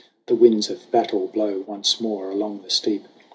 The winds of battle blow Once more along the steep.